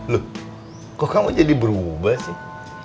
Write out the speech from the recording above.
loh kok kamu jadi berubah sih